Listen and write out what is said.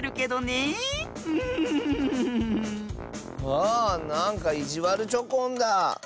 あなんかいじわるチョコンだ。